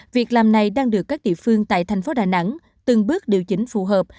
việc làm này đang được các địa phương tại thành phố đà nẵng từng bước điều chỉnh phù hợp